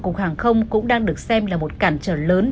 cục hàng không cũng đang được xem là một cản trở lớn